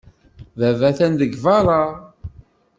Baba atan deg beṛṛa.